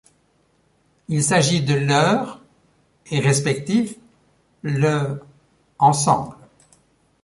Il s'agit de leur et respectifs, le ensemble.